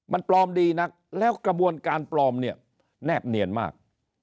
มันปลอมดีนักแล้วกระบวนการปลอมเนี่ยแนบเนียนมาก